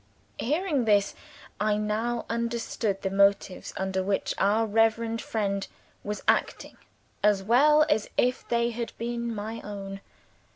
Hearing this, I now understood the motives under which our reverend friend was acting as well as if they had been my own.